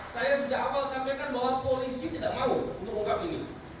saya sejak awal sampaikan bahwa polisi tidak mau mengungkap ini